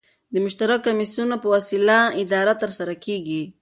د مشترکو کمېسیونو په وسیله اداره ترسره کيږي.